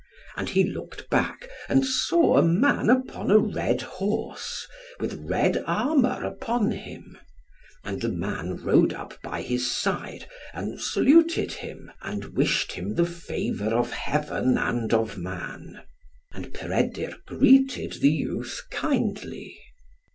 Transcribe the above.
And he looked back, and saw a man upon a red horse, with red armour upon him; and the man rode up by his side, and saluted him, and wished him the favour of Heaven and of man. And Peredur greeted the youth kindly.